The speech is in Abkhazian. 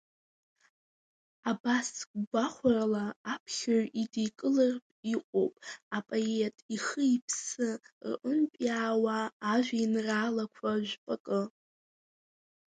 Абас гәахәарала аԥхьаҩ идикылартә иҟоуп апоет ихы-иԥсы рҟынтә иаауа ажәеинраалақәа жәпакы.